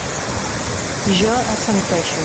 Jo assenteixo.